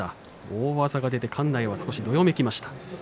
大技が出て館内が少しどよめきました。